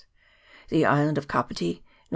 the island of Kapiti, N.N.